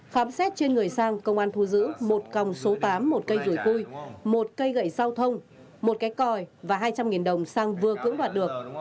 khám xét trên người sang công an thu giữ một còng số tám một cây rủi cui một cây gậy giao thông một cái còi và hai trăm linh đồng sang vừa cưỡng đoạt được